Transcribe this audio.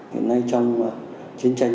hiện nay trong chiến tranh